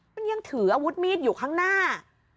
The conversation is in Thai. มันยังถืออาวุธมีดอยู่ข้างหน้า